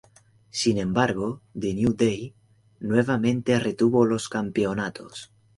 Sin embargo, The New Day nuevamente retuvo los campeonatos.